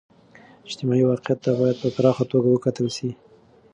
اجتماعي واقعیت ته باید په پراخه توګه و کتل سي.